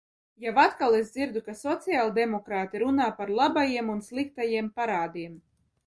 Jau atkal es dzirdu, ka sociāldemokrāti runā par labajiem un sliktajiem parādiem.